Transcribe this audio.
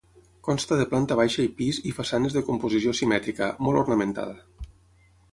Consta de planta baixa i pis i façanes de composició simètrica, molt ornamentada.